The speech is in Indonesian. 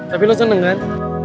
tapi lu seneng kan